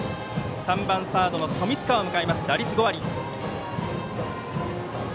３番サードの富塚を迎えます打率５割。